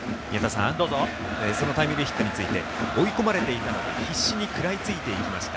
そのタイムリーヒットについて追い込まれていたので必死に食らいついていきました